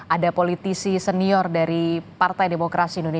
ada politisi senior dari partai demokrasi indonesia